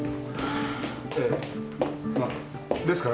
ええまあですから。